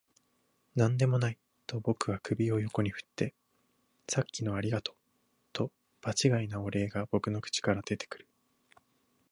「何でもない」と僕は首を横に振って、「さっきのありがとう」と場違いなお礼が僕の口から出てくる